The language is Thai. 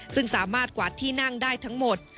ซึ่งสามารถกวาดที่นั่งได้ทั้งหมด